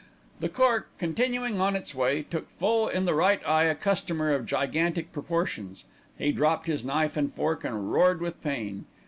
The cork, continuing on its way, took full in the right eye a customer of gigantic proportions. He dropped his knife and fork and roared with pain.